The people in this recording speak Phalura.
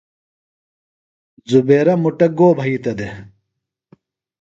زبیرہ مُٹہ گو بھئِتہ دےۡ؟